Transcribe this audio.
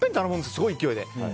すごい勢いで。